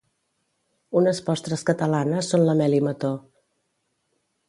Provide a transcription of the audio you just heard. Unes postres catalanes són la mel i mató